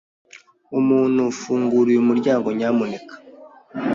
Umuntu, fungura uyu muryango, nyamuneka.